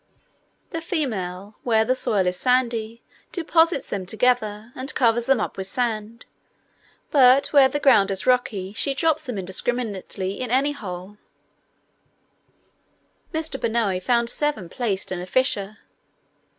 The female, where the soil is sandy, deposits them together, and covers them up with sand; but where the ground is rocky she drops them indiscriminately in any hole: Mr. Bynoe found seven placed in a fissure.